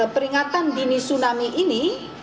peringatan dini tsunami ini